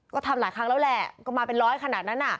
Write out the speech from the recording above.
ก็ทำหลายครั้งแล้วแหละก็มาเป็นร้อยขนาดนั้น